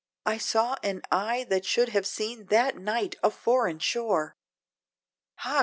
I saw an eye, that should have seen that night a foreign shore, "Ha!